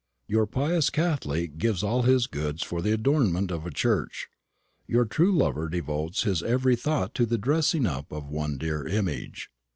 Your pious Catholic gives all his goods for the adornment of a church; your true lover devotes his every thought to the dressing up of one dear image.